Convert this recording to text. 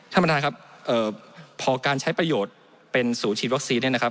ท่านประธานครับพอการใช้ประโยชน์เป็นศูนย์ฉีดวัคซีนเนี่ยนะครับ